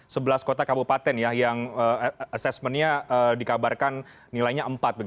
sebelas kota kabupaten ya yang asesmennya dikabarkan nilainya empat